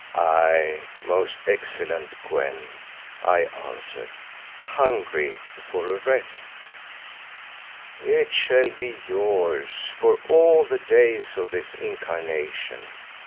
"Aye, most excellent Kou en," I answered, "hungry for rest." "It shall be yours for all the days of this incarnation.